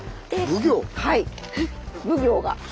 奉行が。